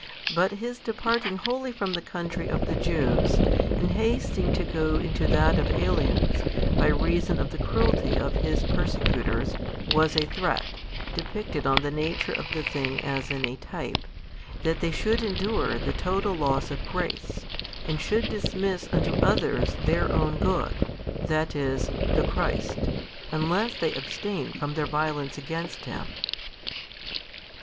But His departing wholly from the country of the Jews, and hasting to go into that of aliens, by reason of the cruelty of His persecutors, was a threat, depicted on the nature of the thing as in a type, that they should endure the total loss of grace, and should dismiss unto others their own good, that is, the Christ, unless they abstained from their violence against Him.